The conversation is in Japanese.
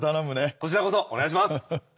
こちらこそお願いします。